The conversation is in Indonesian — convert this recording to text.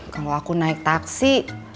kalau aku naik taksi